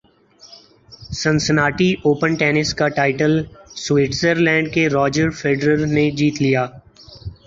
Cincinnati open tennis کا title Switzerland کے Roger Federer نے جیت لیا